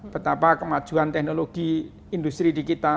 betapa kemajuan teknologi industri di kita